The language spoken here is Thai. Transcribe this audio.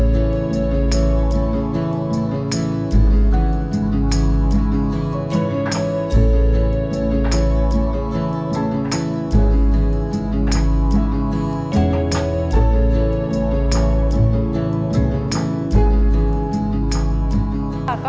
สุดท้ายดีกว่าเข้าใจ